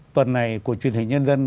tuần này của truyền hình nhân dân